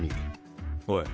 おい。